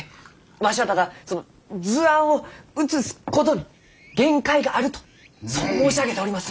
わしはただ図案を写すことに限界があるとそう申し上げております。